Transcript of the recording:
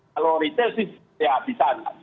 kalau retail sih ya bisa